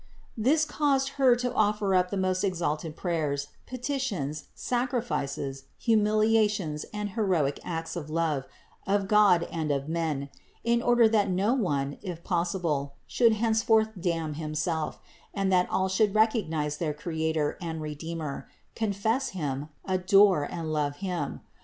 This caused Her to offer up the most exalted prayers, peti tions, sacrifices, humiliations and heroic acts of love of God and of men, in order that no one, if possible, should henceforth damn himself, and that all should recognize THE INCARNATION 49 their Creator, and Redeemer, confess Him, adore and love Him.